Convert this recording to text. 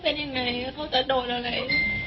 เหมือนพี่สำคัญ